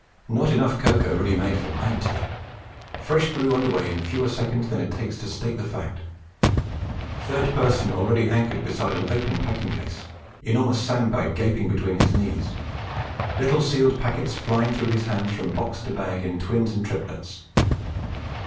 Not enough cocoa ready made for ninety; fresh brew under way in fewer seconds than it takes to state the fact. Third person already anchored beside open packing case, enormous sand bag gaping between his knees, little sealed packets flying through his hands from box to bag in twins and triplets.